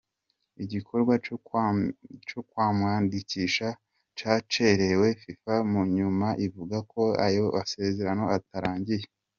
Igikorwa co kumwandikisha cacerewe, Fifa munyuma ivuga ko ayo masezerano atarangiye.